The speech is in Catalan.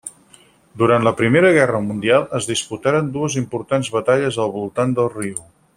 Durant la Primera Guerra Mundial es disputaren dues importants batalles al voltant del riu.